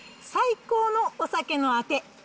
最高のお酒のあて。